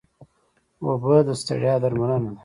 اوبه د ستړیا درملنه ده